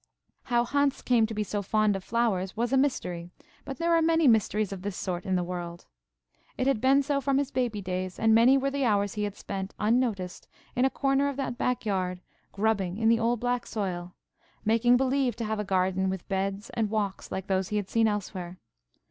How Hans came to be so fond of flowers was a mystery; but there are many mysteries of this sort in the world. It had been so from his baby days, and many were the hours he had spent, unnoticed, in a corner of that back yard, grubbing in the old black soil, "making believe" to have a garden with beds and walks like those he had seen elsewhere.